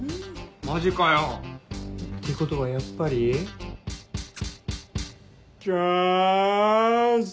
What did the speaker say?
マジかよ。ってことはやっぱりチャンス。